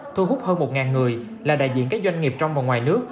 thu hút hơn một người là đại diện các doanh nghiệp trong và ngoài nước